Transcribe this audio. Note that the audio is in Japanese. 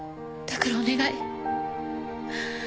だからお願い。